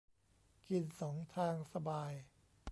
กินสองทางสบาย